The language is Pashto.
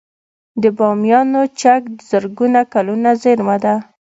د بامیانو چک د زرګونه کلونو زیرمه ده